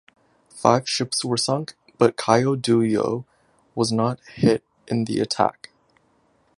Five ships were sunk, but "Caio Duilio" was not hit in the attack.